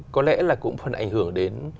có lẽ là cũng phần ảnh hưởng đến